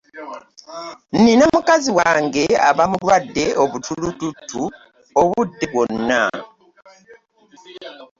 Nnina mukazi wange aba mulwadde obutulututtu obudde bwonna.